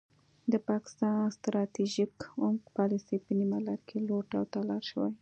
د پاکستان ستراتیژیک عمق پالیسي په نیمه لار کې لوټ او تالا شوې.